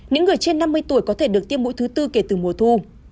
những người trên năm mươi tuổi có thể được tiêm mũi thứ tư kể từ mùa thu